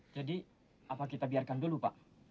jadi apa kita biarkan dulu pak